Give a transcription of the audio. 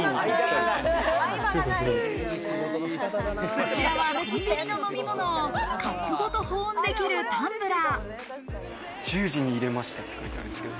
こちらはコンビニの飲み物をカップごと保温できるタンブラー。